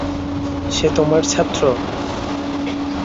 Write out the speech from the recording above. সে তোমার ছাত্র!